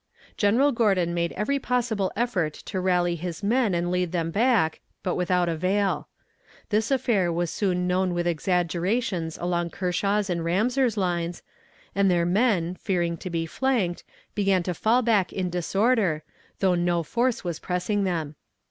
General Gordon made every possible effort to rally his men and lead them back, but without avail. This affair was soon known with exaggerations along Kershaw's and Ramseur's lines, and their men, fearing to be flanked, began to fall back in disorder, though no force was pressing them.